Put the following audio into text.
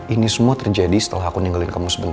ini semua terjadi setelah aku ninggalin kamu seminggu ini ya